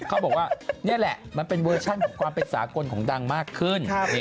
เขาบอกว่านี่แหละมันเป็นเวอร์ชันของความเป็นสากลของดังมากขึ้น